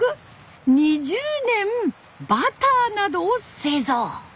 ２０年バターなどを製造。